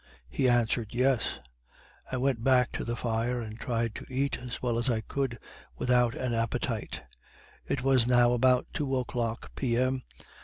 He answered "yes." I went back to the fire and tried to eat, as well as I could, without an appetite. It was now about two o'clock, P. M.